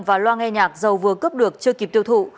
và loa nghe nhạc dầu vừa cướp được chưa kịp tiêu thụ